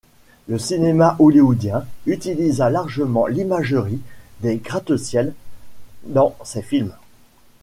Le cinéma hollywoodien utilisa largement l'imagerie des gratte-ciels dans ses films.